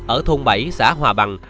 ở thôn bảy xã hòa bằng